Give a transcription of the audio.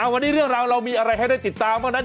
วันนี้เรื่องราวเรามีอะไรให้ได้ติดตามบ้างนั้น